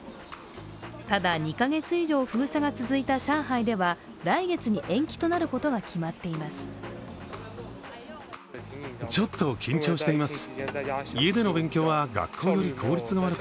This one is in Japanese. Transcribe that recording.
ただ、２カ月以上封鎖が続いた上海では来月に延期となることが決まっています。